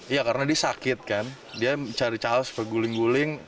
iya karena dia sakit kan dia mencari cawas guling guling